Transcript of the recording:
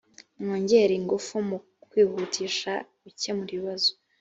mwongerea ingufu mu kwihutisha gukemura ibibazo